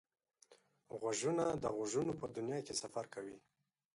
غوږونه د غږونو په دنیا کې سفر کوي